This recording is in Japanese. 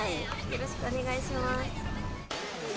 よろしくお願いします。